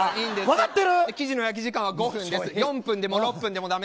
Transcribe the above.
生地の焼き時間は５分です。